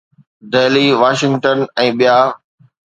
Delhi, Washington ۽ ”ٻيا“.